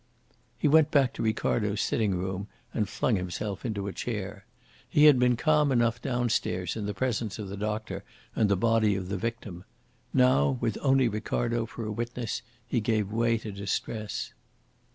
He went back to Ricardo's sitting room and flung himself into a chair. He had been calm enough downstairs in the presence of the doctor and the body of the victim. Now, with only Ricardo for a witness, he gave way to distress.